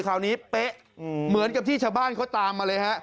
เป๊ะเหมือนกับที่ชาวบ้านเขาตามมาเลยฮะ